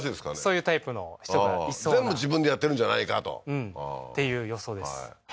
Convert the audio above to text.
そういうタイプの人がいそうな全部自分でやってるんじゃないかとうんっていう予想です